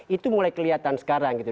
itu mulai kelihatan sekarang gitu